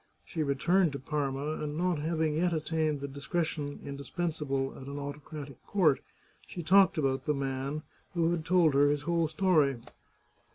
She returned to Parma, and not having yet attained the discretion indispensable at an autocratic court, she talked about the man, who had told her his whole story.